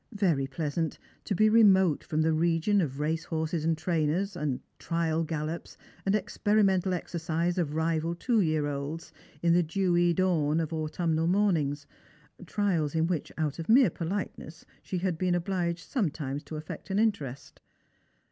Very pleasant to be remote from the region of racehorses and trainers, and trial gallops and experimental exercise of rival two year olds, in thft 'jewy dawn of autumnal mornings ; trials in which, out of mere politeness, she had been obliged sometimes to affect an interest.